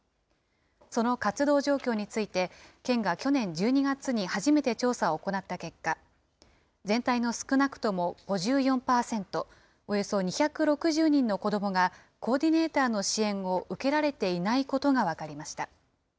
その活動状況について、県が去年１２月に初めて調査を行った結果、全体の少なくとも５４％、およそ２６０人の子どもが、コーディネーターの支援を受けられていないことが分かりました。